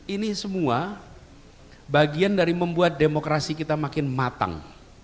ini semua bagian dari membuat demokrasi kita makin matang